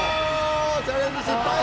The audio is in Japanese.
チャレンジ失敗。